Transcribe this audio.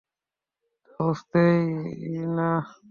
তা তো বুঝবেই না।